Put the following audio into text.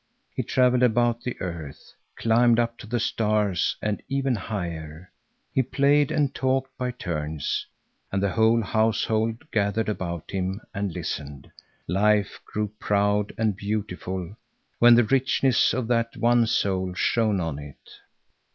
He travelled about the earth, climbed up to the stars, and even higher. He played and talked by turns, and the whole household gathered about him and listened. Life grew proud and beautiful when the richness of that one soul shone on it.